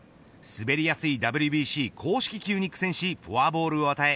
滑りやすいＷＢＣ公式球に苦戦しフォアボールを与え